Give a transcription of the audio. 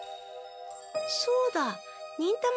そうだ忍たま